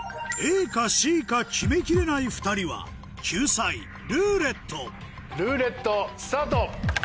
ＡかＣか決めきれない２人は救済「ルーレット」ルーレットスタート！